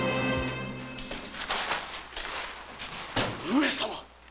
上様。